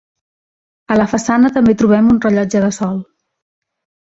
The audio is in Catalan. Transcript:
A la façana també trobem un rellotge de sol.